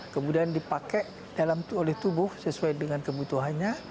kemudian dipakai oleh tubuh sesuai dengan kebutuhannya